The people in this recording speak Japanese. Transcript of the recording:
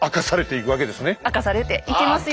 明かされていきますよ！